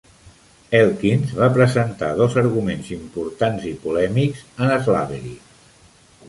Elkins va presentar dos arguments importants i polèmics en "Slavery".